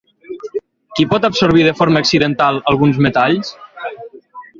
Qui pot absorbir de forma accidental alguns metalls?